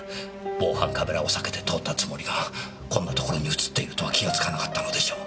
防犯カメラを避けて通ったつもりがこんなところに映っているとは気がつかなかったのでしょう。